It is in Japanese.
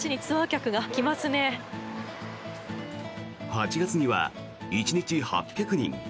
８月には１日８００人。